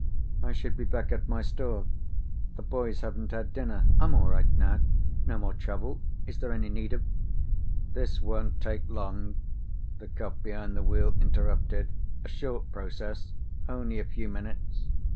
"I should be back at my store. The boys haven't had dinner. I'm all right, now. No more trouble. Is there any need of " "This won't take long," the cop behind the wheel interrupted. "A short process. Only a few minutes."